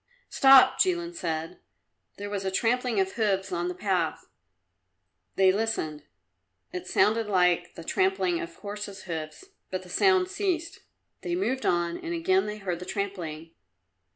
"Stop!" Jilin said. There was a trampling of hoofs on the path. They listened. It sounded like the trampling of horses' hoofs, but the sound ceased. They moved on and again they heard the trampling.